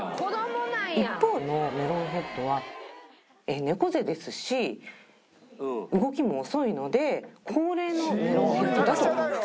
一方のメロンヘッドは猫背ですし動きも遅いので高齢のメロンヘッドだと思います。